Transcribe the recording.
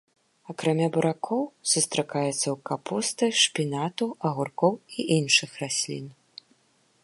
Акрамя буракоў, сустракаецца ў капусты, шпінату, агуркоў і іншых раслін.